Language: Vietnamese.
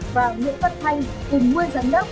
và nguyễn phật thanh cùng nguyên giám đốc